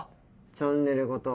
チャンネルごと。